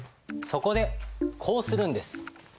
そこでこうするんです。